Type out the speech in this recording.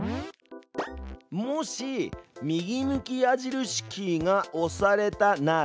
「もし右向き矢印キーが押されたなら」